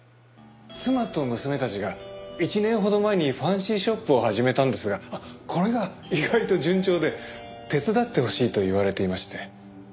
妻と娘たちが１年ほど前にファンシーショップを始めたんですがこれが意外と順調で手伝ってほしいと言われていまして。